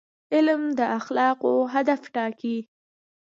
علم د اخلاقو هدف ټاکي.